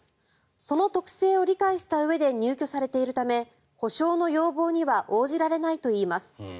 その特性を理解したうえで入居されているため補償の要望には応じられないといいます。